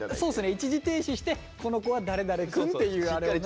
一時停止して「この子は誰々くん」っていうあれをね。